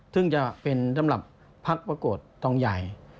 ซึ่งจะเป็นสำหรับพักประกวดตองใหญ่